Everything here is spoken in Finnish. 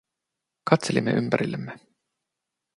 Katselimme ympärillemme.